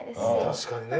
確かにね。